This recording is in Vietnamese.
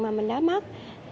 mà mình đã mất